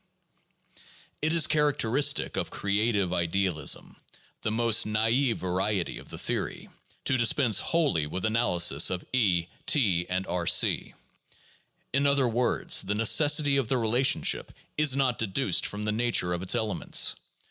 It is characteristic of creative idealism, the most naive variety of the theory, to dispense wholly with analysis of E, T, and B c . In other words, the necessity of the relationship is not deduced from the nature of its elements.